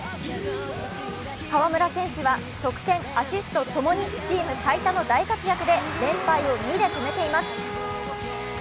河村選手は得点・アシストともにチーム最多の大活躍で連敗を２で止めています。